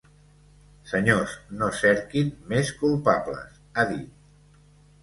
Senyors, no cerquin més culpables, ha dit.